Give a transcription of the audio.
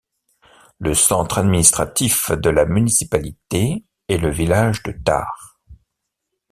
Le centre administratif de la municipalité est le village de Tar.